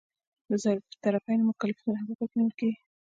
د طرفینو مکلفیتونه هم په پام کې نیول کیږي.